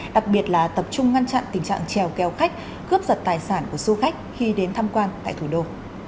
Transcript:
đặc biệt là tập trung ngăn chặn tình trạng trèo kéo khách cướp giật tài sản của du khách khi đến tham quan tại thủ đô